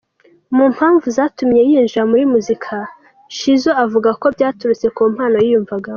Mu mpamvu zatumye yinjira muri muzika , Nshizo avuga ko byaturutse ku mpano yiyumvagamo.